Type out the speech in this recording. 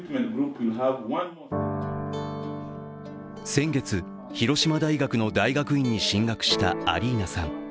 先月、広島大学の大学院に進学したアリーナさん。